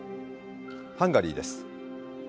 ハンガリーです。